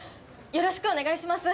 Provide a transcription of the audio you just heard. よろしくお願いします